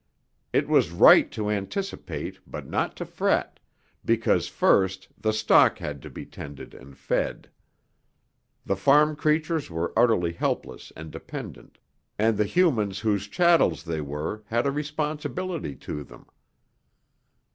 It was right to anticipate but not to fret because first the stock had to be tended and fed. The farm creatures were utterly helpless and dependent, and the humans whose chattels they were had a responsibility to them.